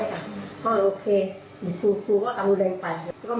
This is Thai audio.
แล้วก็ออกโปรโมงเป็นระยะเยอะนะคะ